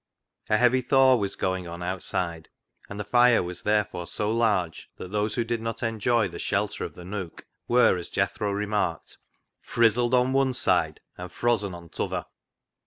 A heavy thaw was going on outside, and the fire was therefore so large that those who did not enjoy the shelter of the nook, were, as Jethro remarked, " frizzled o' wun side an' frozzen o' t'other."